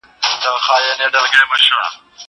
زه پرون کتابونه وليکل.